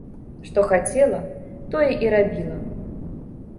Што хацела, тое і рабіла.